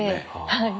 はい。